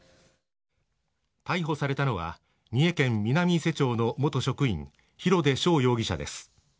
逮捕されたのは三重県南伊勢町の元職員広出翔容疑者です。